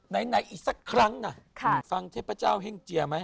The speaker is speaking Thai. ไหนอีกสักครั้งน่ะฟังเทพเจ้าเฮ่งเจียไหม